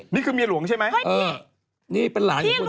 คายกะเดี๋ยวไปเสิร์ชหาก่อน